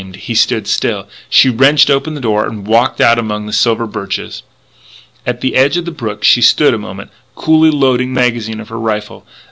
And he stood still. She wrenched open the door and walked out among the silver birches. At the edge of the brook she stood a moment, coolly loading the magazine of her rifle.